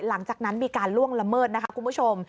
หลังจากนั้นมีการล่วงละเมิดนะคะคุณผู้ชม